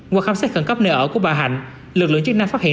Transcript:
qua khám xét khẩn cấp nơi ở của bà hạnh lực lượng chức năng phát hiện